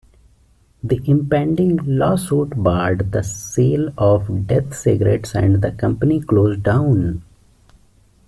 The impending lawsuit barred the sale of Death cigarettes and the company closed down.